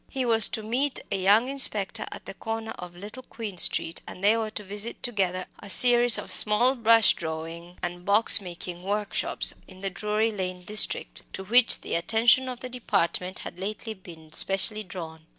He was to meet a young inspector at the corner of Little Queen Street, and they were to visit together a series of small brush drawing and box making workshops in the Drury Lane district, to which the attention of the Department had lately been specially drawn.